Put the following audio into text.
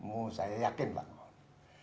oh saya yakin pak mangun